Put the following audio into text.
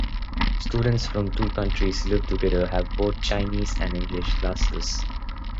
Students from the two countries live together and have both Chinese and English Classes.